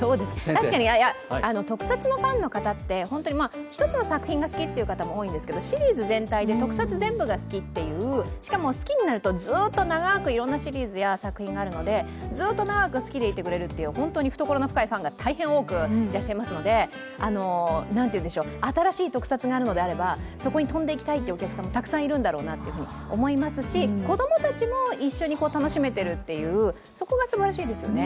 確かに特撮のファンの方って一つの作品が好きって方も多いんですけれどもシリーズ全体で特撮全部が好きっていう、しかも好きになるとずっと長くいろんなシリーズや作品があるのでずっと長く好きでいてくれるという本当に懐の深いファンがたくさんいてくれるので、新しい特撮があるのであれば、そこに飛んでいきたいというお客さんもたくさんいるんだろうなと思いますし、子供たちも一緒に楽しめているという、そこがすばらしいですよね。